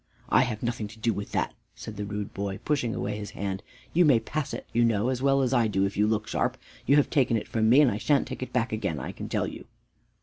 "I have nothing to do with that," said the rude boy, pushing away his hand. "You may pass it, you know, as well as I do, if you look sharp. You have taken it from me, and I shan't take it back again, I can tell you."